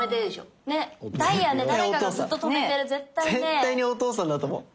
絶対にお父さんだと思う！